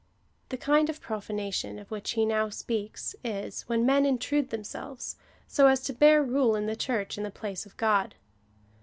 The kind of pro fanation of which he now speaks, is, when men intrude themselves, so as to bear rule in the Church in the place of God.